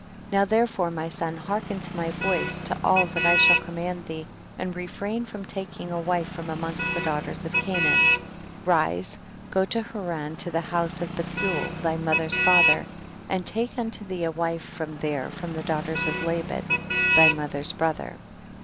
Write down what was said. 25. Now therefore my son hearken to my voice, to all that I shall com mand thee, and refrain from taking a wife from amongst the daughters of Canaan ; arise, go to Haran to the house of Bethuel thy mother's father, and take unto thee a wife from there from the daughters of Laban thy mother's brother.